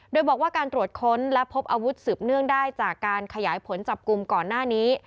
โดยบอกว่าการตรวจค้นและพบอาวุธสืบเนื่องได้จากการขยายผลจับกลุ่มก่อนหน้านี้